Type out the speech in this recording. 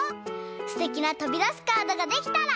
すてきなとびだすカードができたら！